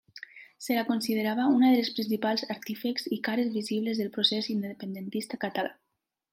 Se la considerava una de les principals artífexs i cares visibles del procés independentista català.